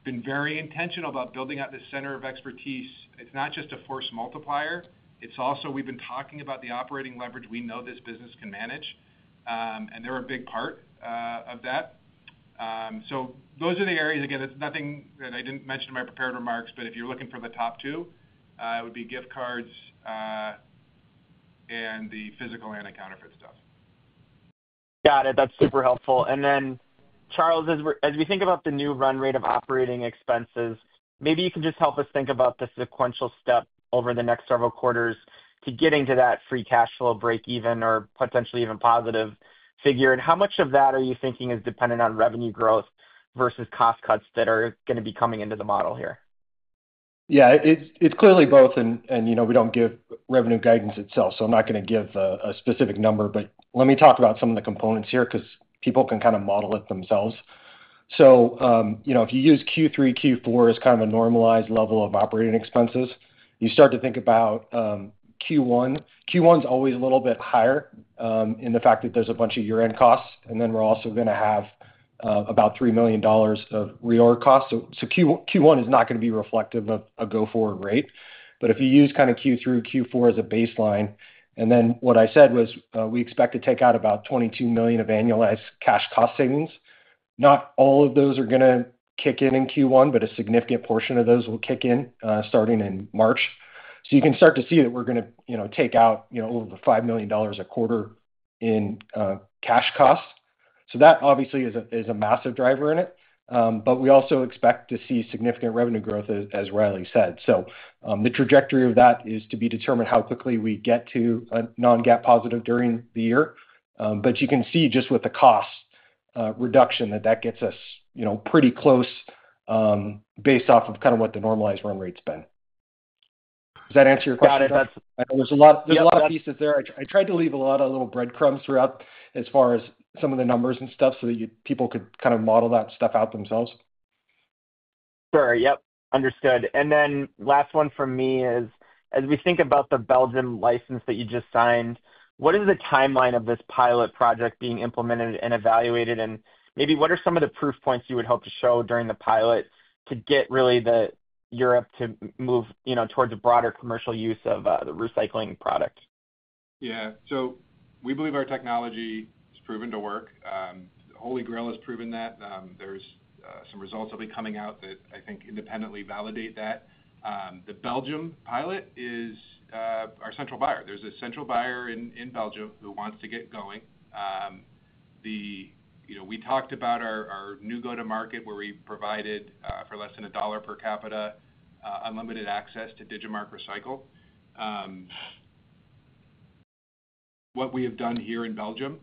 been very intentional about building out this center of expertise. It is not just a force multiplier. We have also been talking about the operating leverage we know this business can manage. They are a big part of that. Those are the areas. Again, it is nothing that I did not mention in my prepared remarks. If you are looking for the top two, it would be gift cards and the physical anti-counterfeit stuff. Got it. That is super helpful. Charles, as we think about the new run rate of operating expenses, maybe you can just help us think about the sequential step over the next several quarters to getting to that free cash flow break-even or potentially even positive figure. How much of that are you thinking is dependent on revenue growth versus cost cuts that are going to be coming into the model here? Yeah. It's clearly both. We don't give revenue guidance itself. I'm not going to give a specific number. Let me talk about some of the components here because people can kind of model it themselves. If you use Q3, Q4 as kind of a normalized level of operating expenses, you start to think about Q1. Q1 is always a little bit higher in the fact that there's a bunch of year-end costs. We're also going to have about $3 million of reorg costs. Q1 is not going to be reflective of a go-forward rate. If you use kind of Q3, Q4 as a baseline, what I said was we expect to take out about $22 million of annualized cash cost savings. Not all of those are going to kick in in Q1, but a significant portion of those will kick in starting in March. You can start to see that we're going to take out over $5 million a quarter in cash costs. That obviously is a massive driver in it. We also expect to see significant revenue growth, as Riley said. The trajectory of that is to be determined how quickly we get to a non-GAAP positive during the year. You can see just with the cost reduction that that gets us pretty close based off of kind of what the normalized run rate's been. Does that answer your question? Got it. There's a lot of pieces there. I tried to leave a lot of little breadcrumbs throughout as far as some of the numbers and stuff so that people could kind of model that stuff out themselves. Sure. Yep. Understood. Last one for me is, as we think about the Belgium license that you just signed, what is the timeline of this pilot project being implemented and evaluated? Maybe what are some of the proof points you would hope to show during the pilot to get really Europe to move towards a broader commercial use of the recycling product? Yeah. We believe our technology has proven to work. HolyGrail 2.0 has proven that. are some results that'll be coming out that I think independently validate that. The Belgium pilot is our central buyer. There is a central buyer in Belgium who wants to get going. We talked about our new go-to-market where we provided for less than $1 per capita unlimited access to Digimarc Recycle. What we have done here in Belgium,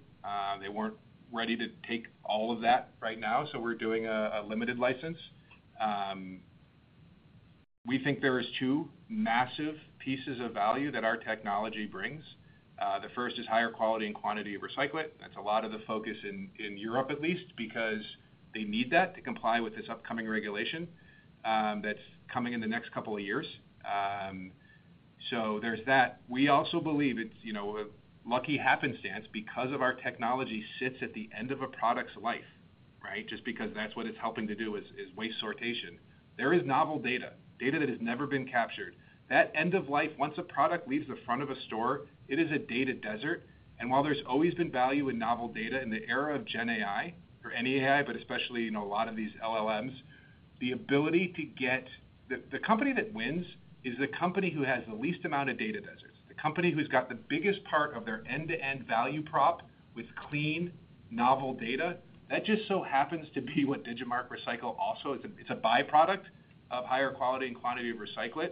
they were not ready to take all of that right now. We are doing a limited license. We think there are two massive pieces of value that our technology brings. The first is higher quality and quantity of recycling. That is a lot of the focus in Europe, at least, because they need that to comply with this upcoming regulation that is coming in the next couple of years. There is that. We also believe it is a lucky happenstance because our technology sits at the end of a product's life, right? Just because that's what it's helping to do is waste sortation. There is novel data, data that has never been captured. That end of life, once a product leaves the front of a store, it is a data desert. While there's always been value in novel data in the era of GenAI or any AI, but especially a lot of these LLMs, the ability to get the company that wins is the company who has the least amount of data deserts. The company who's got the biggest part of their end-to-end value prop with clean, novel data. That just so happens to be what Digimarc Recycle also. It's a byproduct of higher quality and quantity of recycling.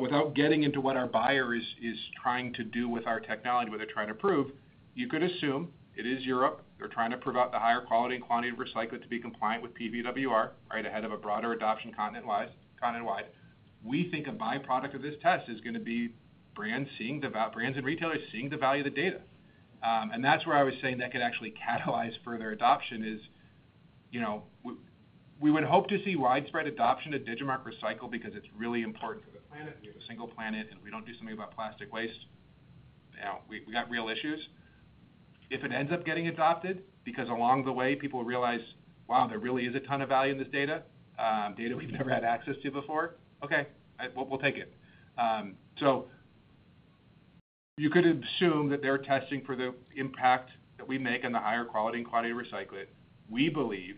Without getting into what our buyer is trying to do with our technology, what they're trying to prove, you could assume it is Europe. They're trying to prove out the higher quality and quantity of recycling to be compliant with PBWR right ahead of a broader adoption continent-wide. We think a byproduct of this test is going to be brands and retailers seeing the value of the data. That is where I was saying that could actually catalyze further adoption, as we would hope to see widespread adoption of Digimarc Recycle because it is really important for the planet. We have a single planet, and if we do not do something about plastic waste, we have real issues. If it ends up getting adopted because along the way, people realize, "Wow, there really is a ton of value in this data, data we have never had access to before." Okay. We will take it. You could assume that they are testing for the impact that we make on the higher quality and quantity of recycling. We believe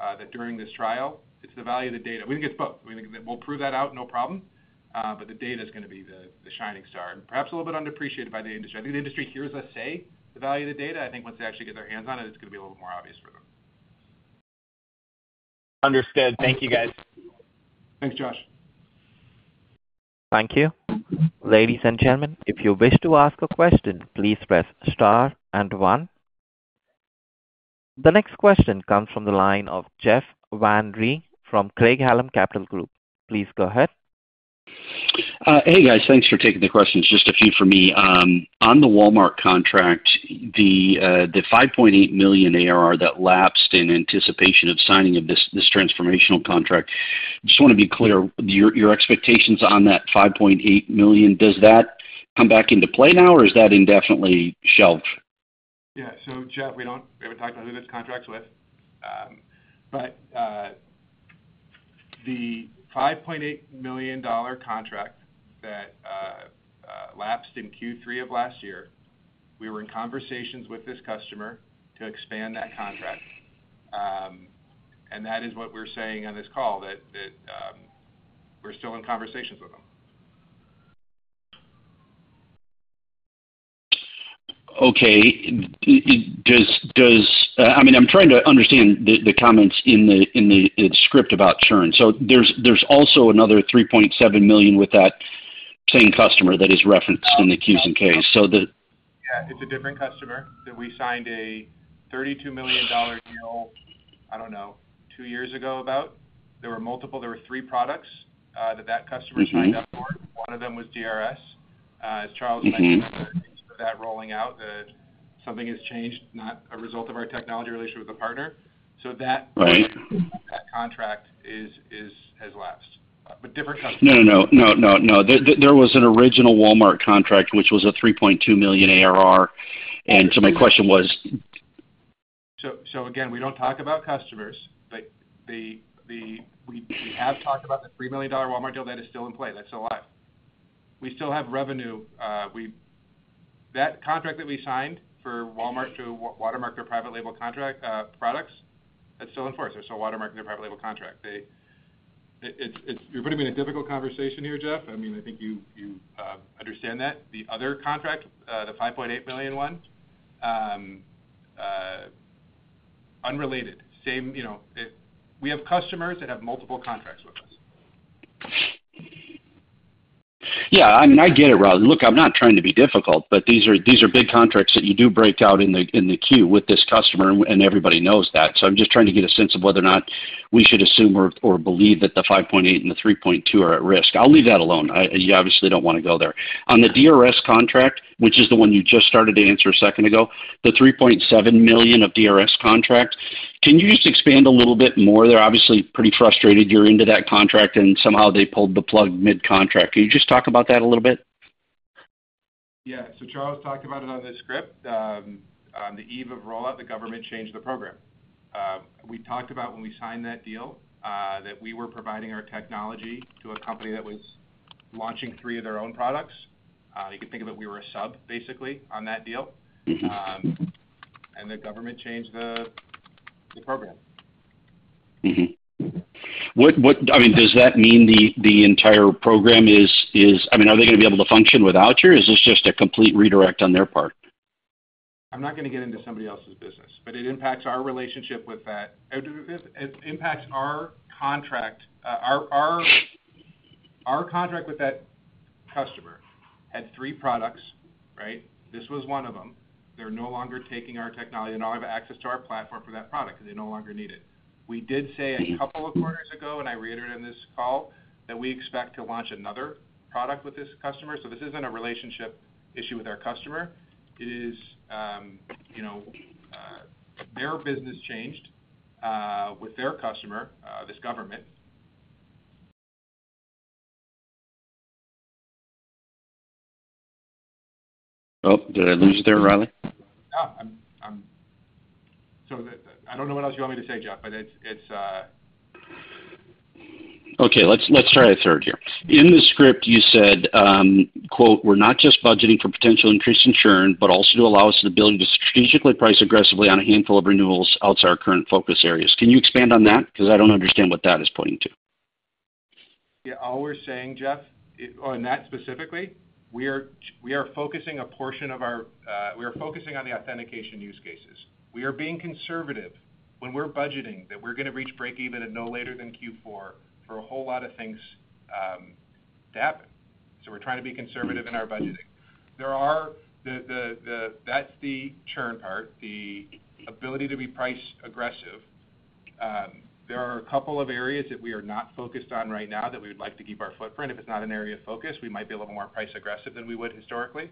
that during this trial, it's the value of the data. We think it's both. We think that we'll prove that out, no problem. The data is going to be the shining star and perhaps a little bit underappreciated by the industry. I think the industry hears us say the value of the data. I think once they actually get their hands on it, it's going to be a little more obvious for them. Understood. Thank you, guys. Thanks, Josh. Thank you. Ladies and gentlemen, if you wish to ask a question, please press star and one. The next question comes from the line of Jeff Van Rhee from Craig-Hallum Capital Group. Please go ahead. Hey, guys. Thanks for taking the questions. Just a few for me. On the Walmart contract, the $5.8 million ARR that lapsed in anticipation of signing of this transformational contract, just want to be clear, your expectations on that $5.8 million, does that come back into play now, or is that indefinitely shelved? Yeah. Jeff, we haven't talked about who this contract's with. The $5.8 million contract that lapsed in Q3 of last year, we were in conversations with this customer to expand that contract. That is what we're saying on this call, that we're still in conversations with them. Okay. I mean, I'm trying to understand the comments in the script about churn. There's also another $3.7 million with that same customer that is referenced in the Qs and Ks. It's a different customer that we signed a $32 million deal, I don't know, two years ago about. There were multiple. There were three products that that customer signed up for. One of them was DRS. As Charles mentioned, we're in the midst of that rolling out. Something has changed, not a result of our technology relationship with the partner. That contract has lapsed. Different customers. No, no, no, no, no. There was an original Walmart contract, which was a $3.2 million ARR. My question was. We don't talk about customers, but we have talked about the $3 million Walmart deal that is still in play. That's still live. We still have revenue. That contract that we signed for Walmart to Watermark their private label products, that's still in force. They're still Watermark their private label contract. You're putting me in a difficult conversation here, Jeff. I mean, I think you understand that. The other contract, the $5.8 million one, unrelated. We have customers that have multiple contracts with us. Yeah. I mean, I get it, Riley. Look, I'm not trying to be difficult, but these are big contracts that you do break out in the queue with this customer, and everybody knows that. So I'm just trying to get a sense of whether or not we should assume or believe that the $5.8 and the $3.2 are at risk. I'll leave that alone. You obviously don't want to go there. On the DRS contract, which is the one you just started to answer a second ago, the $3.7 million of DRS contract, can you just expand a little bit more? They're obviously pretty frustrated you're into that contract, and somehow they pulled the plug mid-contract. Can you just talk about that a little bit? Yeah. So Charles talked about it on the script. On the eve of rollout, the government changed the program. We talked about when we signed that deal that we were providing our technology to a company that was launching three of their own products. You can think of it. We were a sub, basically, on that deal. The government changed the program. I mean, does that mean the entire program is, I mean, are they going to be able to function without you? Or is this just a complete redirect on their part? I'm not going to get into somebody else's business. It impacts our relationship with that. It impacts our contract. Our contract with that customer had three products, right? This was one of them. They're no longer taking our technology. They do not have access to our platform for that product because they no longer need it. We did say a couple of quarters ago, and I reiterated on this call, that we expect to launch another product with this customer. This is not a relationship issue with our customer. It is their business changed with their customer, this government. Did I lose you there, Riley? No. I do not know what else you want me to say, Jeff, but it is. Okay. Let's try a third here. In the script, you said, "We're not just budgeting for potential increase in churn, but also to allow us the ability to strategically price aggressively on a handful of renewals outside our current focus areas." Can you expand on that? Because I do not understand what that is pointing to. Yeah. All we are saying, Jeff, on that specifically, we are focusing a portion of our, we are focusing on the authentication use cases. We are being conservative when we're budgeting that we're going to reach break-even at no later than Q4 for a whole lot of things to happen. We are trying to be conservative in our budgeting. That's the churn part, the ability to be priced aggressive. There are a couple of areas that we are not focused on right now that we would like to keep our footprint. If it's not an area of focus, we might be a little more price aggressive than we would historically.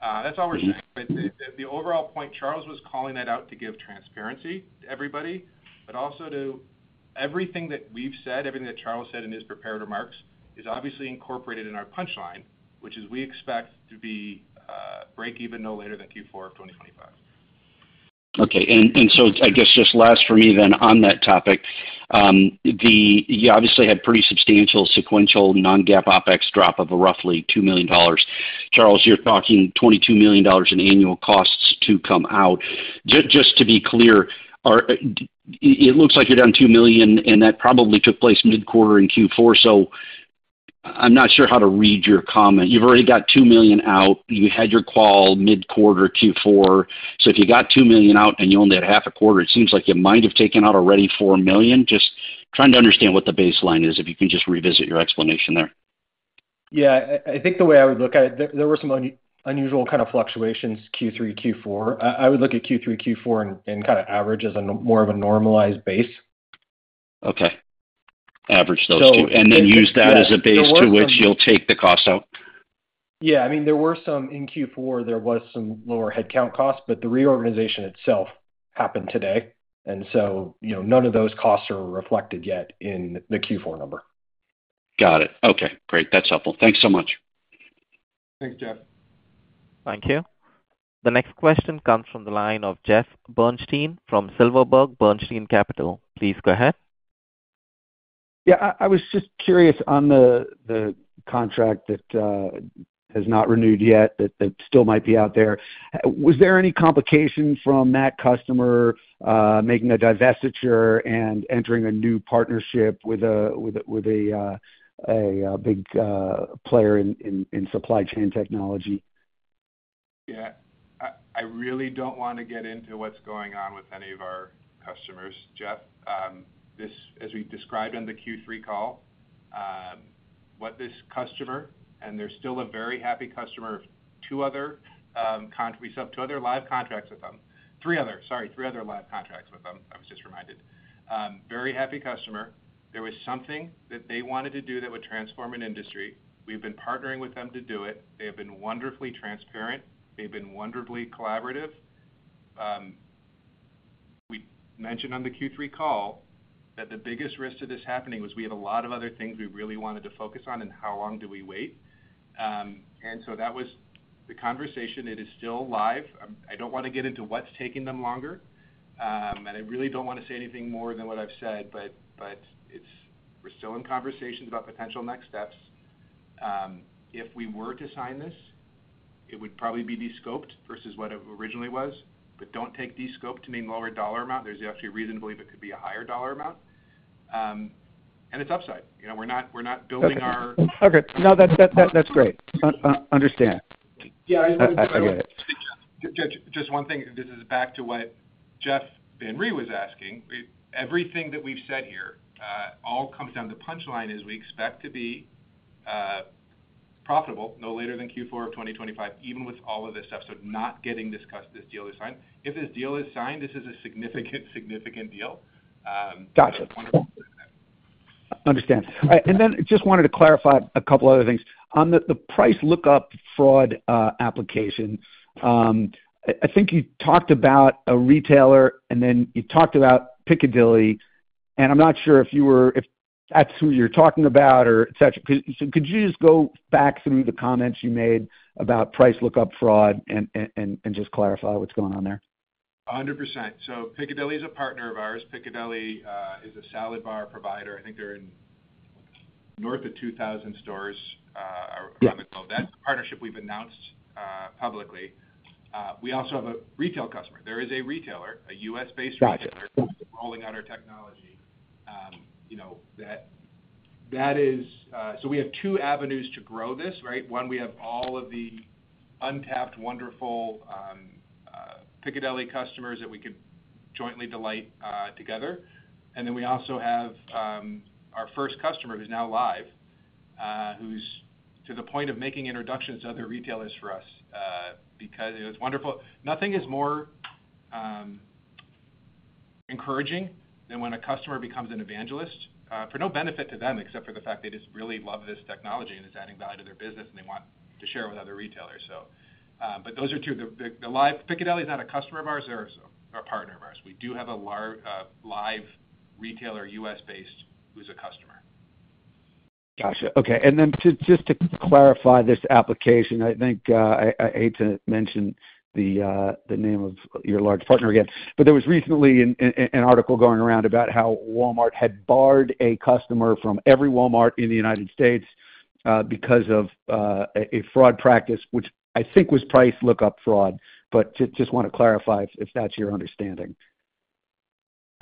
That's all we're saying. The overall point, Charles was calling that out to give transparency to everybody, but also to everything that we've said, everything that Charles said in his prepared remarks is obviously incorporated in our punchline, which is we expect to be break-even no later than Q4 of 2025. Okay. I guess just last for me then on that topic, you obviously had pretty substantial sequential non-GAAP OpEx drop of roughly $2 million. Charles, you're talking $22 million in annual costs to come out. Just to be clear, it looks like you're down $2 million, and that probably took place mid-quarter in Q4. I am not sure how to read your comment. You've already got $2 million out. You had your call mid-quarter Q4. If you got $2 million out and you only had half a quarter, it seems like you might have taken out already $4 million. Just trying to understand what the baseline is, if you can just revisit your explanation there. Yeah. I think the way I would look at it, there were some unusual kind of fluctuations Q3, Q4. I would look at Q3, Q4 and kind of average as more of a normalized base. Okay. Average those two. And then use that as a base to which you'll take the cost out. Yeah. I mean, there were some in Q4, there was some lower headcount costs, but the reorganization itself happened today. And so none of those costs are reflected yet in the Q4 number. Got it. Okay. Great. That's helpful. Thanks so much. Thanks, Jeff. Thank you. The next question comes from the line of Jeff Bernstein from Silverberg Bernstein Capital. Please go ahead. Yeah. I was just curious on the contract that has not renewed yet, that still might be out there. Was there any complication from that customer making a divestiture and entering a new partnership with a big player in supply chain technology? Yeah. I really don't want to get into what's going on with any of our customers, Jeff. As we described on the Q3 call, what this customer—and they're still a very happy customer of two other—we subbed two other live contracts with them. Three other. Sorry. Three other live contracts with them. I was just reminded. Very happy customer. There was something that they wanted to do that would transform an industry. We've been partnering with them to do it. They have been wonderfully transparent. They've been wonderfully collaborative. We mentioned on the Q3 call that the biggest risk to this happening was we had a lot of other things we really wanted to focus on and how long do we wait. That was the conversation. It is still live. I don't want to get into what's taking them longer. I really do not want to say anything more than what I have said, but we are still in conversations about potential next steps. If we were to sign this, it would probably be descoped versus what it originally was. Do not take descoped to mean lower dollar amount. There is actually a reason to believe it could be a higher dollar amount. It is upside. We are not building our. Okay. No, that is great. Understand. Yeah. I get it. Just one thing. This is back to what Jeff Van Rhee was asking. Everything that we have said here all comes down to the punchline: we expect to be profitable no later than Q4 of 2025, even with all of this stuff. Not getting this deal to sign. If this deal is signed, this is a significant, significant deal. Gotcha. Understand. I just wanted to clarify a couple of other things. On the price look-up fraud application, I think you talked about a retailer, and then you talked about Piccadilly. I'm not sure if that's who you're talking about or etc. Could you just go back through the comments you made about price look-up fraud and just clarify what's going on there? 100%. Piccadilly is a partner of ours. Piccadilly is a salad bar provider. I think they're in north of 2,000 stores around the globe. That's a partnership we've announced publicly. We also have a retail customer. There is a retailer, a US-based retailer, rolling out our technology that is so we have two avenues to grow this, right? One, we have all of the untapped, wonderful Piccadilly customers that we could jointly delight together. We also have our first customer who's now live, who's to the point of making introductions to other retailers for us because it's wonderful. Nothing is more encouraging than when a customer becomes an evangelist, for no benefit to them except for the fact they just really love this technology and it's adding value to their business, and they want to share it with other retailers. Those are two. Piccadilly is not a customer of ours. They're a partner of ours. We do have a live retailer US-based who's a customer. Gotcha. Okay. Just to clarify this application, I think I hate to mention the name of your large partner again, but there was recently an article going around about how Walmart had barred a customer from every Walmart in the United States because of a fraud practice, which I think was price look-up fraud. Just want to clarify if that's your understanding.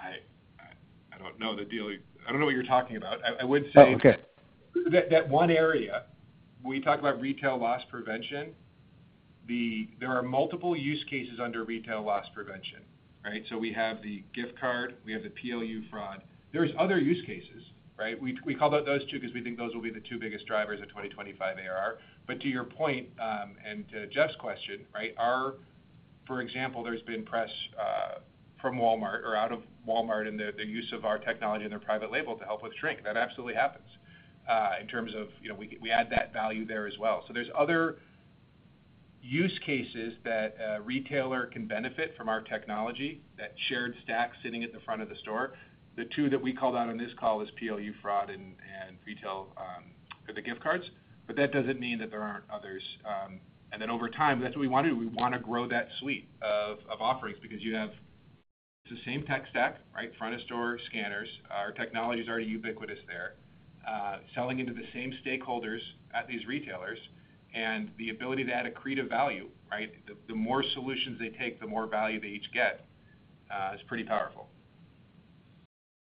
I don't know the deal. I don't know what you're talking about. I would say that one area, we talked about retail loss prevention. There are multiple use cases under retail loss prevention, right? We have the gift card. We have the PLU fraud. There are other use cases, right? We call those two because we think those will be the two biggest drivers of 2025 ARR. To your point and to Jeff's question, right, for example, there's been press from Walmart or out of Walmart and the use of our technology and their private label to help with shrink. That absolutely happens in terms of we add that value there as well. There are other use cases that a retailer can benefit from our technology, that shared stack sitting at the front of the store. The two that we called out on this call are PLU fraud and retail for the gift cards. That doesn't mean that there aren't others. Over time, that's what we want to do. We want to grow that suite of offerings because you have the same tech stack, right? Front of store, scanners. Our technology is already ubiquitous there. Selling into the same stakeholders at these retailers and the ability to add a creative value, right? The more solutions they take, the more value they each get. It's pretty powerful.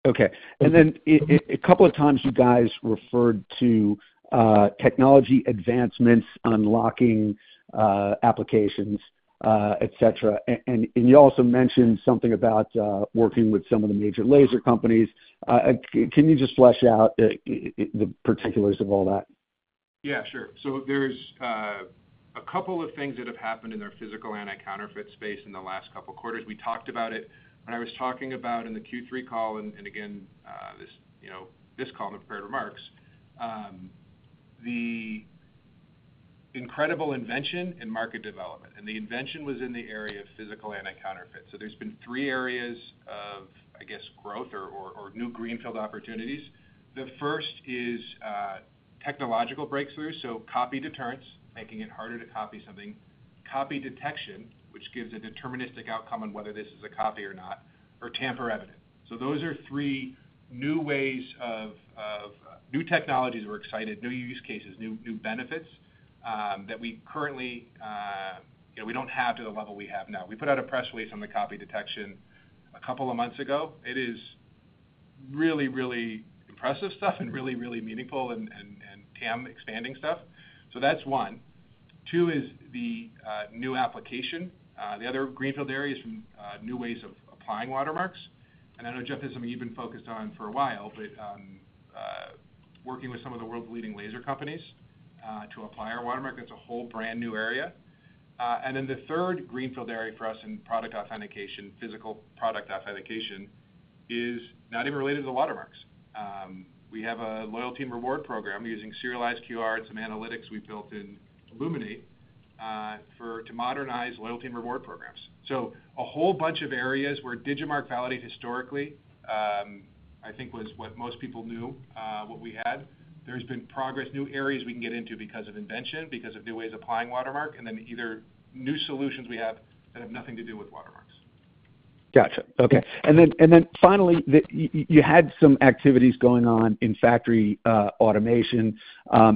Okay. A couple of times you guys referred to technology advancements, unlocking applications, etc. You also mentioned something about working with some of the major laser companies. Can you just flesh out the particulars of all that? Yeah, sure. There's a couple of things that have happened in their physical anti-counterfeit space in the last couple of quarters. We talked about it. When I was talking about in the Q3 call and again, this call in the prepared remarks, the incredible invention and market development. The invention was in the area of physical anti-counterfeit. There's been three areas of, I guess, growth or new greenfield opportunities. The first is technological breakthroughs. Copy deterrence, making it harder to copy something. Copy detection, which gives a deterministic outcome on whether this is a copy or not, or tamper evident. Those are three new ways of new technologies that we are excited, new use cases, new benefits that we currently we do not have to the level we have now. We put out a press release on the copy detection a couple of months ago. It is really, really impressive stuff and really, really meaningful and damn expanding stuff. That is one. Two is the new application. The other greenfield area is new ways of applying watermarks. I know, Jeff, this is something you have been focused on for a while, but working with some of the world's leading laser companies to apply our watermark. That is a whole brand new area. The third greenfield area for us in product authentication, physical product authentication, is not even related to the watermarks. We have a loyalty and reward program using serialized QR and some analytics we built in Illuminate to modernize loyalty and reward programs. A whole bunch of areas where Digimarc Validate historically, I think, was what most people knew what we had. There has been progress, new areas we can get into because of invention, because of new ways of applying watermark, and then either new solutions we have that have nothing to do with watermarks. Gotcha. Okay. Finally, you had some activities going on in factory automation.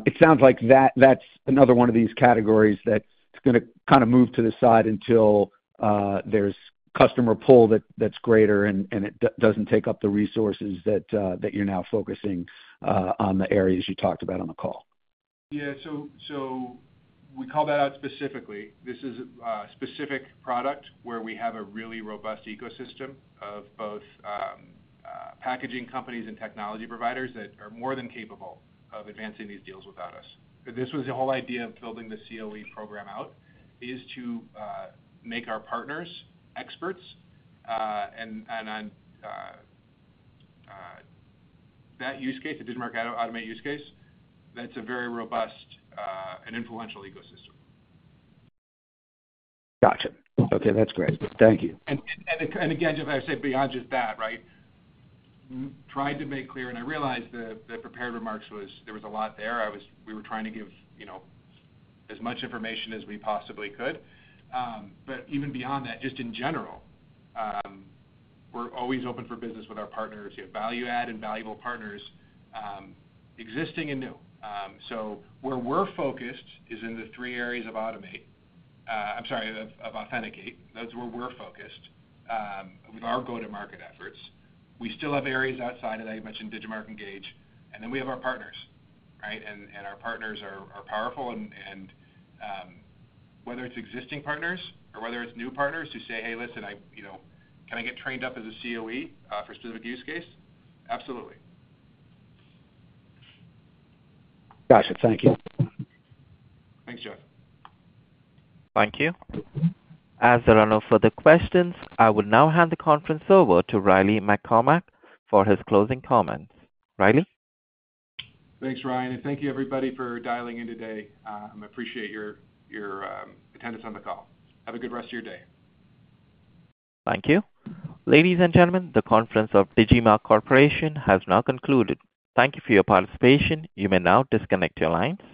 It sounds like that is another one of these categories that is going to kind of move to the side until there is customer pull that is greater and it does not take up the resources that you are now focusing on the areas you talked about on the call. Yeah. We call that out specifically. This is a specific product where we have a really robust ecosystem of both packaging companies and technology providers that are more than capable of advancing these deals without us. This was the whole idea of building the COE program out, is to make our partners experts. And on that use case, the Digimarc Automate use case, that's a very robust and influential ecosystem. Gotcha. Okay. That's great. Thank you. Again, Jeff, I would say beyond just that, right? Tried to make clear, and I realized the prepared remarks was there was a lot there. We were trying to give as much information as we possibly could. Even beyond that, just in general, we're always open for business with our partners. You have value-add and valuable partners existing and new. Where we're focused is in the three areas of Automate—I'm sorry, of Authenticate. That's where we're focused with our go-to-market efforts. We still have areas outside of that. You mentioned Digimarc Engage. And then we have our partners, right? And our partners are powerful. And whether it's existing partners or whether it's new partners who say, "Hey, listen, can I get trained up as a COE for a specific use case?" Absolutely. Gotcha. Thank you. Thanks, Jeff. Thank you. As a runoff for the questions, I will now hand the conference over to Riley McCormack for his closing comments. Riley? Thanks, Ryan. And thank you, everybody, for dialing in today. I appreciate your attendance on the call. Have a good rest of your day. Thank you. Ladies and gentlemen, the conference of Digimarc Corporation has now concluded. Thank you for your participation. You may now disconnect your lines.